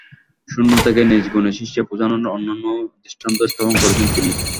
শূন্য থেকে নিজ গুণে শীর্ষে পৌঁছানোর অনন্য দৃষ্টান্ত স্থাপন করেছেন তিনি।